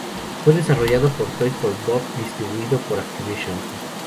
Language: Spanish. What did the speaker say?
Fue desarrollado por Toys For Bob y distribuido por Activision.